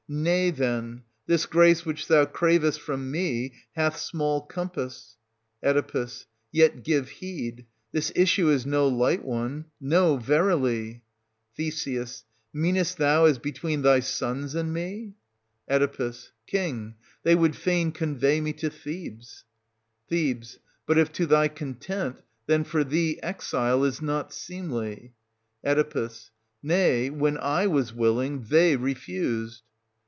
Nay, then, this grace which thou cravest from me hath small compass. Oe. Yet ^\\^ heed ; this issue is no light one, — no, verily. Th. Meanest thou, as between thy sons and me } 589—613] OEDIPUS AT COLONUS, 83 Oe. King, they would fain convey me to Thebes. Th. But if to thy content, then for thee exile is not 590 seemly. Oe. Nay, when / was willing, they refused.